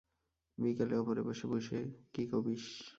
বিকেলে ওপরে বসে বুসে কি কবিস?